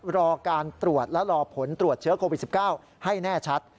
รอการตรวจและรอผลตรวจเชื้อโควิด๑๙ให้แน่ชัด